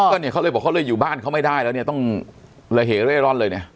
ก็เนี่ยเขาเลยบอกเขาเลยอยู่บ้านเขาไม่ได้แล้วเนี่ยต้องระเหเร่ร่อนเลยเนี่ย